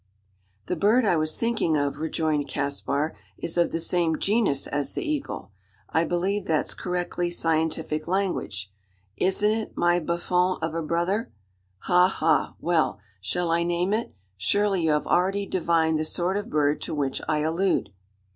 "The bird I was thinking of," rejoined Caspar, "is of the same genus as the eagle. I believe that's correctly scientific language. Isn't it, my Buffon of a brother? Ha! ha! Well, shall I name it? Surely, you have already divined the sort of bird to which I allude?"